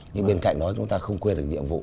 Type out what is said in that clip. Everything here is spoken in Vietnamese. nhưng bên cạnh đó chúng ta không quên được nhiệm vụ